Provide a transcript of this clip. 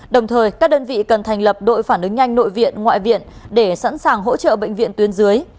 đồng thời các đơn vị cần thành lập đội phản ứng nhanh nội viện ngoại viện để sẵn sàng hỗ trợ bệnh viện tuyến dưới